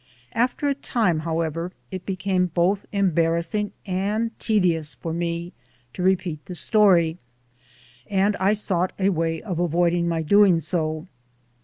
'* After a time, however, it became both embarrassing and tedious for me to repeat the story, and I sought a way of avoiding my doing so.